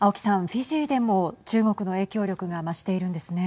フィジーでも中国の影響力が増しているんですね。